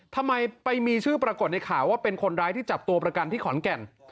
ทำไมไปมีชื่อปรากฏในข่าวว่าเป็นคนร้ายที่จับตัวประกันที่ขอนแก่น